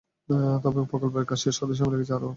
তবে প্রকল্পের কাজ শেষ হতে সময় লেগেছে আরও পাঁচ মাস বেশি।